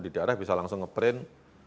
di daerah bisa langsung nge print